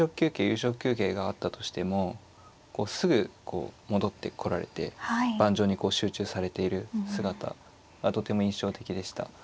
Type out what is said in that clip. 夕食休憩があったとしてもすぐこう戻ってこられて盤上に集中されている姿がとても印象的でした。